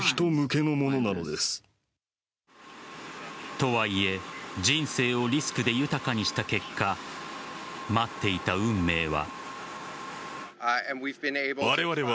とはいえ人生をリスクで豊かにした結果待っていた運命は。